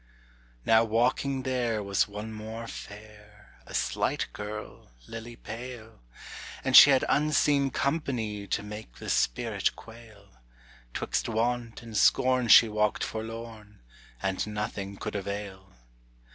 Now walking there was one more fair, A slight girl, lily pale; And she had unseen company To make the spirit quail, 'Twixt Want and Scorn she walked forlorn, And nothing could avail.